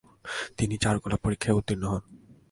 তিনি চারুকলা পরীক্ষায় উত্তীর্ণ হন।